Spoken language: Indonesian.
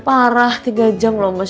parah tiga jam loh mas